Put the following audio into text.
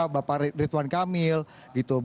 bapak ridwan kamil gitu